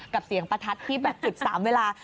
กับเสียงประทัดที่แบบจุด๓เวลา